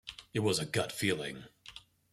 It was a gut feeling.